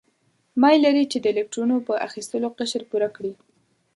میل لري چې د الکترونو په اخیستلو قشر پوره کړي.